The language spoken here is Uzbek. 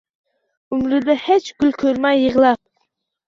Umrida hech gul ko’rmay, yig’lab